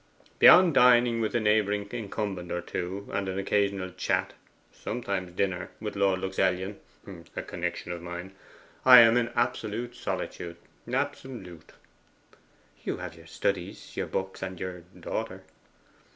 Beyond dining with a neighbouring incumbent or two, and an occasional chat sometimes dinner with Lord Luxellian, a connection of mine, I am in absolute solitude absolute.' 'You have your studies, your books, and your daughter.